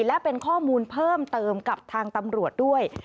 และเป็นข้อมูลเพิ่มเติมกับทางตำรวจด้วย